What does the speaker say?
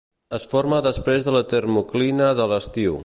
Es forma després de la termoclina de l'estiu.